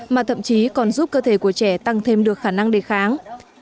mà thậm chí còn giúp cơ thể của trẻ tăng thêm được khả năng đề kháng